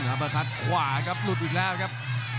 อัพพิวัตต์ขวาครับลุดอีกแหละครับ